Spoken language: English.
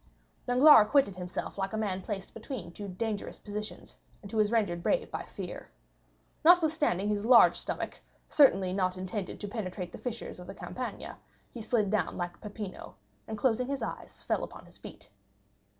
Danglars acquitted himself like a man placed between two dangerous positions, and who is rendered brave by fear. Notwithstanding his large stomach, certainly not intended to penetrate the fissures of the Campagna, he slid down like Peppino, and closing his eyes fell upon his feet.